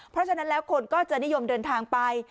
เพราะฉะนั้นแล้วคนก็จะนิยมเดินทางไป